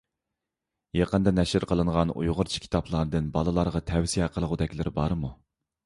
يېقىندا نەشر قىلىنغان ئۇيغۇرچە كىتابلاردىن بالىلارغا تەۋسىيە قىلغۇدەكلىرى بارمۇ؟